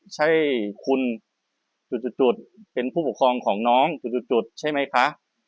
ใช่คุณจุดเป็นผู้ปกครองของน้องจุดใช่ไหมคะ